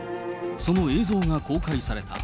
その映像が公開された。